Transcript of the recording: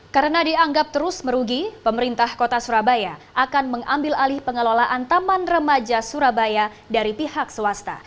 karena dianggap terus merugi pemerintah kota surabaya akan mengambil alih pengelolaan taman remaja surabaya dari pihak swasta